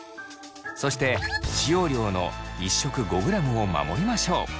そして使用量の１食５ｇを守りましょう。